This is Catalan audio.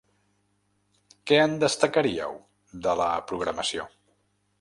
Què en destacaríeu, de la programació?